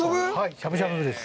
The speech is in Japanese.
しゃぶしゃぶです。